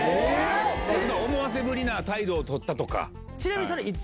思わせぶりな態度を取ったとか。